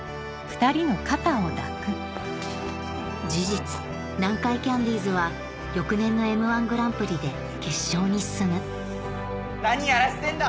事実南海キャンディーズは翌年の『Ｍ−１グランプリ』で決勝に進む何やらせてんだ！